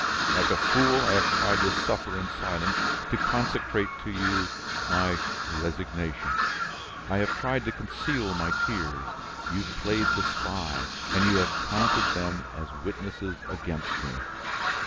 Like a fool, I have tried to suffer in silence, to consecrate to you my resignation; I have tried to conceal my tears; you have played the spy, and you have counted them as witnesses against me.